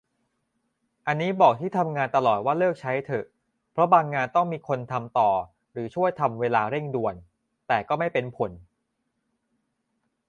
อันนี้บอกที่ทำงานตลอดว่าเลิกใช้เถอะ เพราะบางงานต้องมีคนทำต่อหรือช่วยทำเวลาเร่งด่วน แต่ก็ไม่เป็นผล